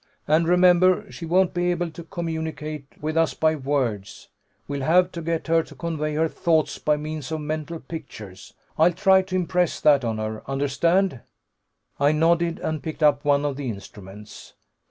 And remember, she won't be able to communicate with us by words we'll have to get her to convey her thoughts by means of mental pictures. I'll try to impress that on her. Understand?" I nodded, and picked up one of the instruments.